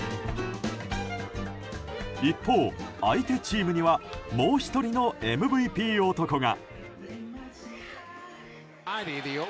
一方、相手チームにはもう１人のＭＶＰ男が。